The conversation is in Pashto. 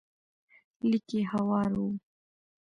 ليکي هوار و.